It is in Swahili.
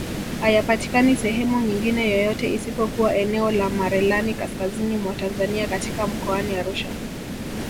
Hayapatikani sehemu nyingine yoyote isipokuwa eneo la Merelani Kaskazini mwa Tanzania katika mkoani Arusha